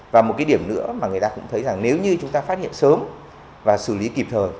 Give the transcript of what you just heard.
và một cái điểm nữa mà người ta cũng thấy rằng nếu như chúng ta phát hiện sớm và xử lý kịp thời